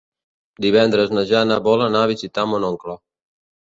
Divendres na Jana vol anar a visitar mon oncle.